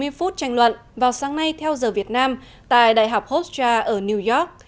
trong cuộc tranh luận vào sáng nay theo giờ việt nam tại đại học hofstra ở new york